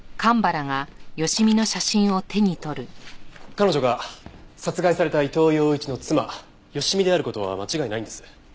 彼女が殺害された伊藤洋市の妻佳美である事は間違いないんです。